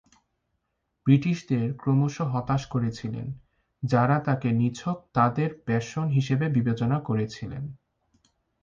ব্রিটিশদের ক্রমশ হতাশ করেছিলেন, যারা তাঁকে নিছক তাদের পেনশন হিসাবে বিবেচনা করেছিলেন।